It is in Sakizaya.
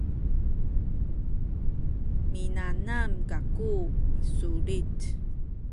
minanam kaku misulit